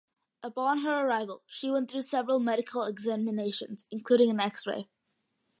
Upon her arrival, she went through several medical examinations, including an x-ray.